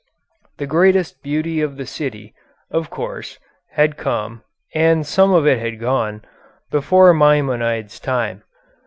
The greatest beauty of the city, of course, had come, and some of it had gone, before Maimonides' time.